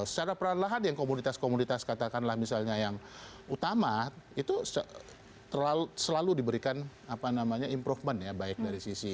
secara perlahan lahan yang komoditas komoditas katakanlah misalnya yang utama itu selalu diberikan improvement ya baik dari sisi